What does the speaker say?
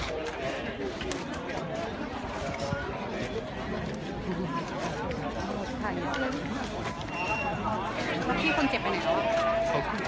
ก็ไม่มีใครกลับมาเมื่อเวลาอาทิตย์เกิดขึ้น